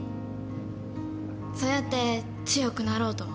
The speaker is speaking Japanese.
そうやって強くなろうと思ってさ。